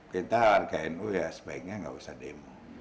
kita warga nu ya sebaiknya enggak usah demo